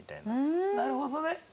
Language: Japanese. なるほどね。